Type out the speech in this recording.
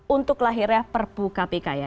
untuk lahirnya perpu kpk ya